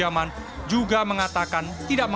jangan lupa untuk berlangganan kiri kiri